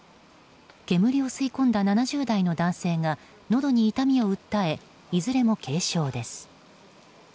煙を吸い込んだ７０代の男性がのどに痛みを訴えいずれも軽傷です。